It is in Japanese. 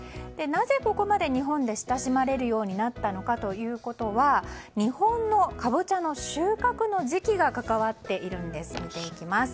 なぜ、ここまで日本で親しまれるようになったのかということは日本のカボチャの収穫の時期が関わっています。